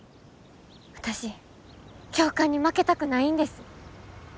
私教官に負けたくないんです。